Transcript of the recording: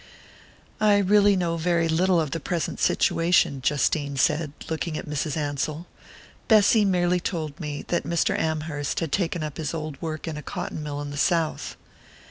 "I really know very little of the present situation," Justine said, looking at Mrs. Ansell. "Bessy merely told me that Mr. Amherst had taken up his old work in a cotton mill in the south."